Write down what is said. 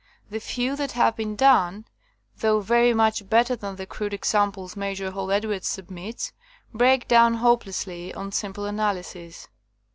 The few that have been done, though very much better than the crude ex amples Major Hall Edwards submits, break down hopelessly on simple analysis.